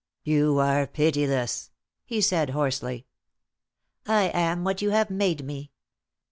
"You are pitiless," he said, hoarsely. "I am what you have made me.